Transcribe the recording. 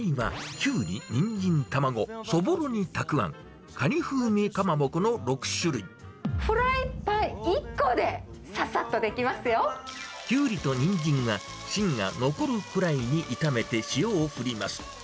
キュウリとニンジンは、芯が残るくらいに炒めて塩を振ります。